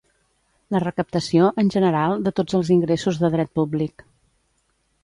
La recaptació, en general, de tots els ingressos de dret públic.